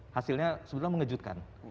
hasilnya sebenarnya mengejutkan